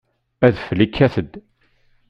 Adfel ikkat-d.